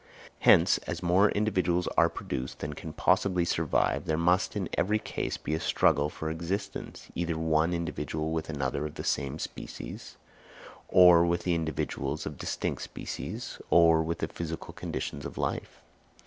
Hence, as more individuals are produced than can possibly survive, there must in every case be a struggle for existence, either one individual with another of the same species, or with the individuals of distinct species, or with the physical conditions of life.